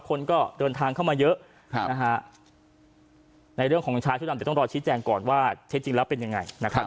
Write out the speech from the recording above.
คนก็เดินทางเข้ามาเยอะนะฮะในเรื่องของชายชุดดำเดี๋ยวต้องรอชี้แจงก่อนว่าเท็จจริงแล้วเป็นยังไงนะครับ